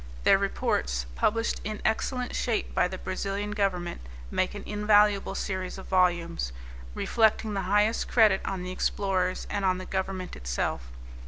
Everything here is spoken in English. Their reports, published in excellent shape by the Brazilian Government, make an invaluable series of volumes, reflecting the highest credit on the explorers, and on the government itself.